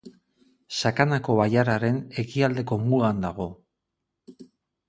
Sakanako bailararen ekialdeko mugan dago.